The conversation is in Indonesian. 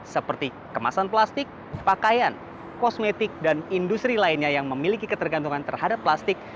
seperti kemasan plastik pakaian kosmetik dan industri lainnya yang memiliki ketergantungan terhadap plastik